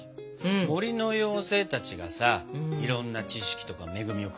森の妖精たちがさいろんな知識とか恵みをくれるんですね。